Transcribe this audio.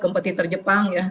kompetitor jepang ya